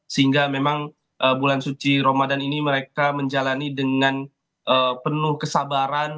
sehingga memang bulan suci ramadan ini mereka menjalani dengan penuh kesabaran